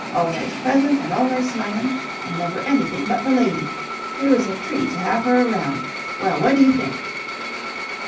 Always pleasant and always smiling, and never anything but the lady. It was a treat to have her around. Well, what do you think?"